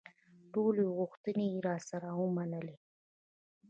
ټولې غوښتنې یې راسره ومنلې.